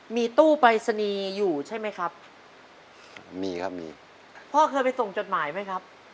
มีตู้ปลายสนีอยู่ใช่ไหมครับพ่อเคยไปส่งจดหมายไหมครับ